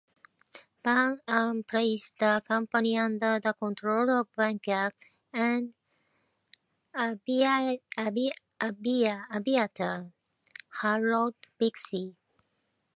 Pan Am placed the company under the control of banker and aviator Harold Bixby.